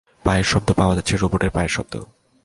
পায়ের শব্দ পাওয়া যাচ্ছে, রোবটের পায়ের শব্দ।